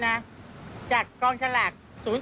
จากจากกองฉลาก๐๕